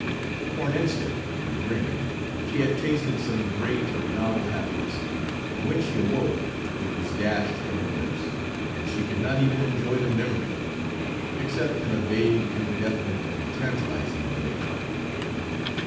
For an instant, in a dream, she had tasted some great and novel happiness, and when she awoke it was dashed from her lips, and she could not even enjoy the memory of it, Page 135 except in a vague, indefinite, and tantalizing way.